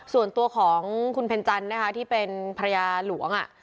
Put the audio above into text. ส่วนตัวของคุณเพ็ญจันทร์นะคะที่เป็นภรรยาหลวง